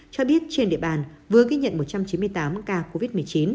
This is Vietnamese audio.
cho biết trên địa bàn vừa ghi nhận một trăm chín mươi tám ca covid một mươi chín